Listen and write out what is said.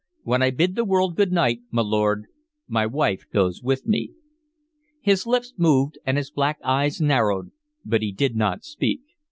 When I bid the world good night, my lord, my wife goes with me." His lips moved and his black eyes narrowed, but he did not speak.